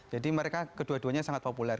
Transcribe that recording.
jadi mereka kedua duanya sangat populer